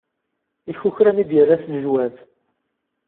Ikukra mi d-yerra s lejwab.